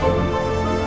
walaupun itu bukan anaknya